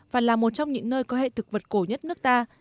và là một trong những nơi có hệ thực vật cổ nhất nước ta